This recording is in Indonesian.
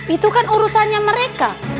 itu kan urusannya mereka